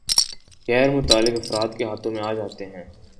غیر متعلق افراد کے ہاتھوں میں آجاتے ہیں